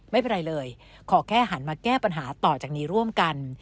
ไม่เป็นไรเลยขอแค่หันมาแก้ปัญหาต่อจากนี้ร่วมกัน